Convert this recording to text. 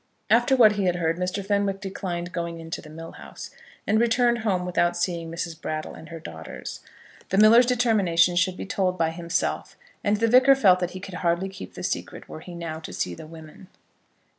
After what he had heard, Mr. Fenwick declined going into the mill house, and returned home without seeing Mrs. Brattle and her daughters. The miller's determination should be told by himself; and the Vicar felt that he could hardly keep the secret were he now to see the women.